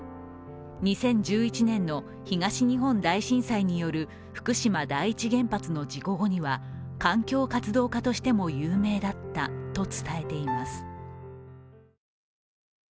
２０１１年の東日本大震災による福島第一原発の事故後には環境活動家としても有名だったと伝えています。